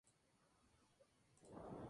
En el mismo año nació su hijo.